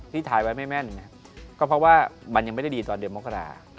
ถ่ายไว้ไม่แม่นนะครับก็เพราะว่ามันยังไม่ได้ดีตอนเดือนมกรา